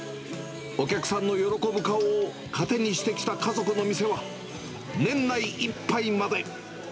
お客さんの喜ぶ顔を糧にしてきた家族の店は、年内いっぱいまで。